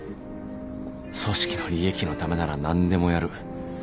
組織の利益のためなら何でもやる。